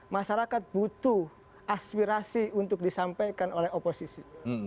masyarakat butuh aspirasi untuk disampaikan oleh oposisi